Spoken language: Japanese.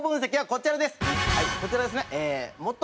こちらですね。